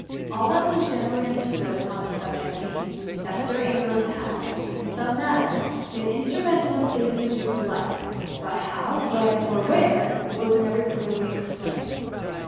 All that was generally understood upon the sub ject being, that Sir Ambrose had, in some manner, been instrumental in saving the duke^s life ; but how, when, or where, was never clear ly explained.